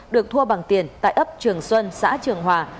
được thua bằng tiền tại ấp trường xuân xã trường hòa